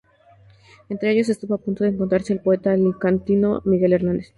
Entre ellos estuvo a punto de encontrarse el poeta alicantino Miguel Hernández.